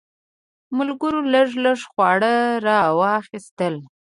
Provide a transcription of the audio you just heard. ملګرو لږ لږ خواړه راواخیستل.